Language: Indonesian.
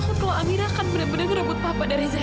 zahira takut kalau amira akan bener bener merebut papa dari zahira